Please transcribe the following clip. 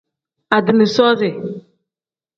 Adiini soozi.